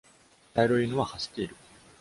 茶色い犬は走っている。